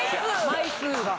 枚数が。